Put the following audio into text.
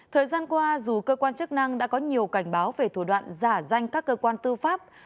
thời gian qua dù cơ quan chức năng đã có nhiều cảnh báo về thủ đoạn giả danh các cơ quan tư pháp